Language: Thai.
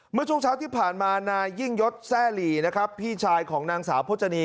เมื่อช่วงเช้าที่ผ่านมานายยิ่งยศแซ่หลีนะครับพี่ชายของนางสาวพจนี